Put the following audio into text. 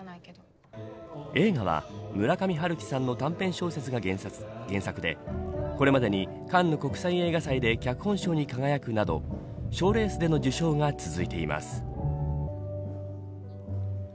映画は、村上春樹さんの短編小説が原作でこれまでにカンヌ国際映画祭で脚本賞に輝くなど賞レースでの受賞が続いています。